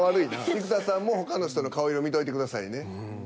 生田さんも他の人の顔色見といてくださいね。